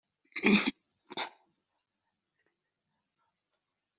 kandi wagura imipaka y’igihugu cyacu.